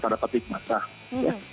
pada petik masyarakat